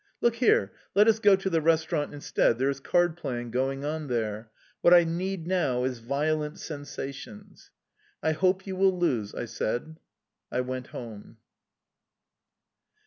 Look here, let us go to the restaurant instead, there is cardplaying going on there... What I need now is violent sensations"... "I hope you will lose"... I went home.